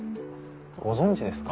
ご存じですか？